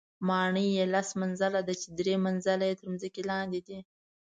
ماڼۍ یې لس منزله ده چې درې منزله یې تر ځمکې لاندې دي.